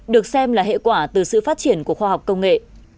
được xem là hệ quả từ sự phát triển của khoa học công nghệ